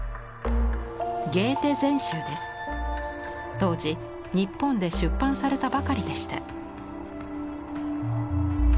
当時日本で出版されたばかりでした。